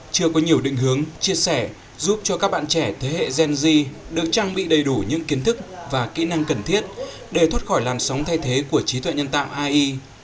chưa có nhiều định hướng chia sẻ giúp cho các bạn trẻ thế hệ gen z được trang bị đầy đủ những kiến thức và kỹ năng cần thiết để thoát khỏi làn sóng thay thế của trí tuệ nhân tạo ai